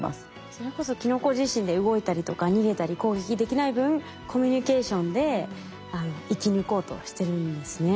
それこそキノコ自身で動いたりとか逃げたり攻撃できない分コミュニケーションで生き抜こうとしてるんですね。